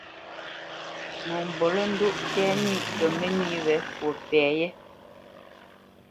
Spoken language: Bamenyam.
Ŋo mbolə́ndóʼ tɛ́ nî kə mə́nī wě fwo pɛ yé.